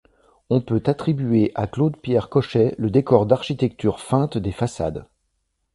On peut attribuer à Claude-Pierre Cochet le décor d'architecture feinte des façades.